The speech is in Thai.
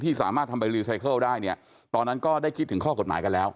สามารถทำใบรีไซเคิลได้เนี่ยตอนนั้นก็ได้คิดถึงข้อกฎหมายกันแล้ว